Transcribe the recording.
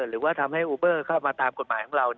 หรือว่าทำให้อูเบอร์เข้ามาตามกฎหมายของเรา